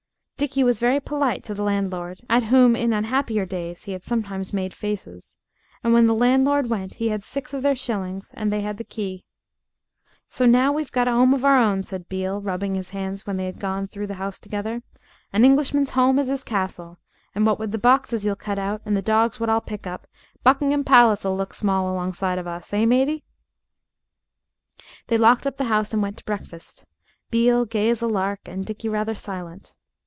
Dickie was very polite to the landlord, at whom in unhappier days he had sometimes made faces, and when the landlord went he had six of their shillings and they had the key. "So now we've got a 'ome of our own," said Beale, rubbing his hands when they had gone through the house together; "an Englishman's 'ome is 'is castle and what with the boxes you'll cut out and the dogs what I'll pick up, Buckingham Palace'll look small alongside of us eh, matey?" They locked up the house and went to breakfast, Beale gay as a lark and Dickie rather silent.